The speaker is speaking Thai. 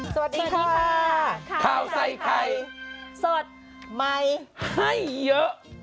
สวัสดีค่ะข้าวใส่ไข่สดใหม่ให้เยอะ